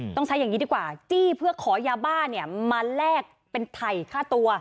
ต้องใช้อย่างนี้ดีกว่าจี้เพื่อขอยาบ้าเนี่ยมาแลกเป็นไถ่ค่าตัว